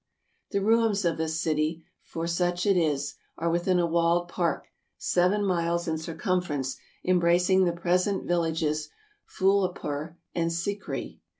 The ruins of this city, for such it is, are within a walled park, seven miles in circumference, embracing the present villages Fullehpur and Sikri.